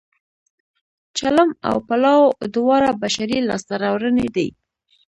چلم او پلاو دواړه بشري لاسته راوړنې دي